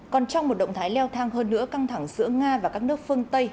còn trong một động thái leo thang hơn nữa căng thẳng giữa nga và các nước phương tây